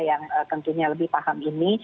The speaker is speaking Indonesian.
yang tentunya lebih paham ini